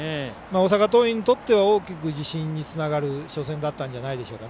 大阪桐蔭にとって大きく自信につながる初戦だったんじゃないでしょうか。